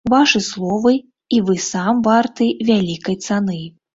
Вашы словы і вы сам варты вялікай цаны.